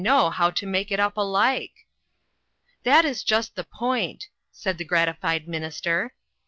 know how to make it up alike ?"" That is just the point," said the grati fied minister.